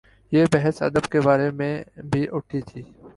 یہ بحث ادب کے بارے میں بھی اٹھی تھی۔